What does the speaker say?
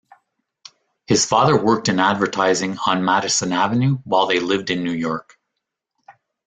His father worked in advertising on Madison Avenue while they lived in New York.